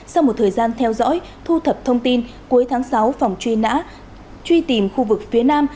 sau một thời gian theo dõi thu thập thông tin cuối tháng sáu phòng truy nã truy tìm khu vực phía nam